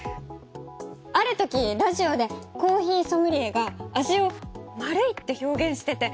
あるときラジオでコーヒーソムリエが味を丸いって表現してて。